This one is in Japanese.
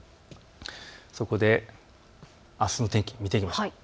そこであすの天気を見ていきましょう。